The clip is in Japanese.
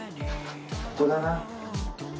ここだな。